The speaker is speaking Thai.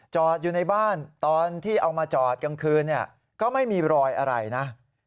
จอดอยู่ในบ้านตอนที่เอามาจอดกลางคืนก็ไม่มีรอยอะไรนะ